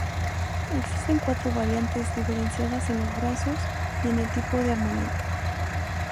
Existen cuatro variantes, diferenciadas en los brazos y en el tipo de armamento.